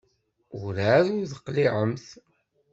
Werɛad ur teqliɛemt?